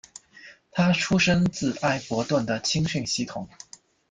他出身自埃弗顿的青训系统。